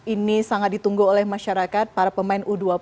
ini sangat ditunggu oleh masyarakat para pemain u dua puluh